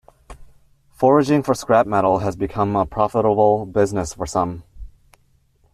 Foraging for scrap metal has become a profitable business for some.